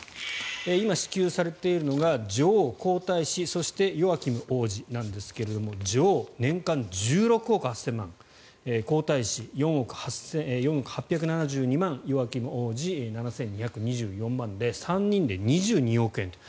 今、支給されているのが女王、皇太子そして、ヨアキム王子なんですが女王、年間１６億８０００万皇太子、４億８７２万ヨアキム王子、７２２４万円で３人で２２億円と。